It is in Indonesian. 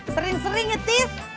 sering sering ya tis